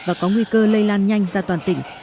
và có nguy cơ lây lan nhanh ra toàn tỉnh